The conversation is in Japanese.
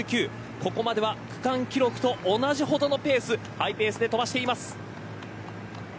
ここまでは区間記録と同じほどのペースハイペースで飛ばしています。